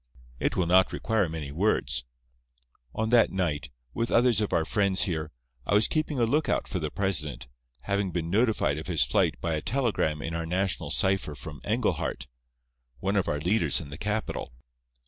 "It will not require many words. "On that night, with others of our friends here, I was keeping a lookout for the president, having been notified of his flight by a telegram in our national cipher from Englehart, one of our leaders in the capital.